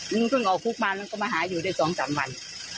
มึงเพิ่งออกคุกมามันก็มาหาอยู่ได้๒๓วัน